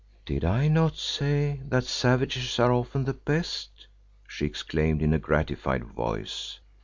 "Did I not say that savages are often the best?" she exclaimed in a gratified voice.